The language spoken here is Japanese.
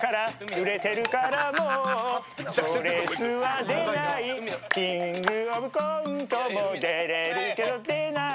売れてるからもう賞レースは出ない「キングオブコント」も出れるけど出ない。